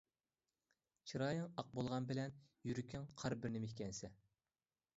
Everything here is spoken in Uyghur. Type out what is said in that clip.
چىرايىڭ ئاق بولغان بىلەن يۈرىكىڭ قارا بىر نېمە ئىكەنسەن.